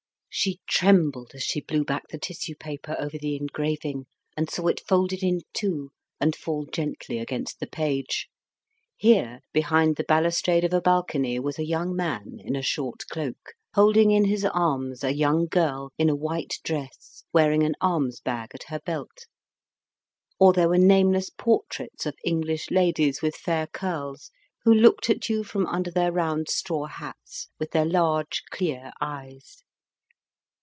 She trembled as she blew back the tissue paper over the engraving and saw it folded in two and fall gently against the page. Here behind the balustrade of a balcony was a young man in a short cloak, holding in his arms a young girl in a white dress wearing an alms bag at her belt; or there were nameless portraits of English ladies with fair curls, who looked at you from under their round straw hats with their large clear eyes.